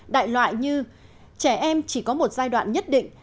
đại loại như trẻ em chỉ có một giai đoạn nhất định